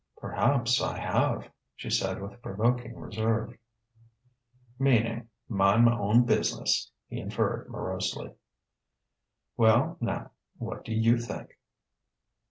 "Perhaps I have," she said with provoking reserve. "Meaning mind my own business," he inferred morosely. "Well, now, what do you think?"